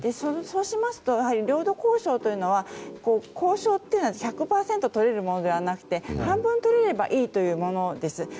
そうしますとやはり領土交渉というのは交渉は１００％とれるものではなくて半分とれればいいというものです。